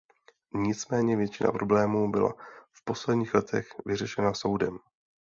Nicméně většina problémů byla v posledních letech vyřešena soudem.